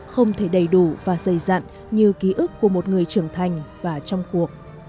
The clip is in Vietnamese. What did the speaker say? không thể đầy đủ và dày dặn như ký ức của một người trưởng thành và trong cuộc